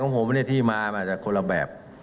ของผมที่มามันจะคนละแบบ